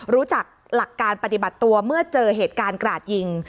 รู้จักหลักการปฏิบัติตัวเมื่อเจอเหตุการณ์กราดยิง